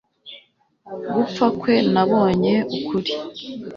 gupfa kwe nabonye ukuri